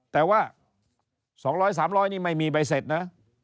แต่ว่าสองร้อยสามร้อยนี่ไม่มีใบเสร็จนะ